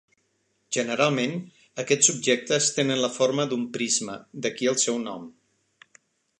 Generalment, aquests objectes tenen la forma d'un prisma, d'aquí el seu nom.